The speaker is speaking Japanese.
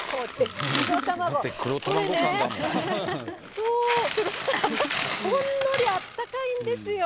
そう、ほんのりあったかいんですよ。